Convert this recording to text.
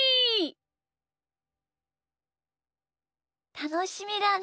たのしみだね。